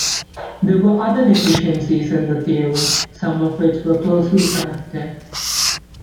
There were other deficiencies in the theory, some of which were closely connected.